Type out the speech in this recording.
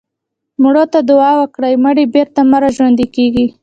مړو ته دعا وکړئ مړي بېرته مه راژوندي کوئ.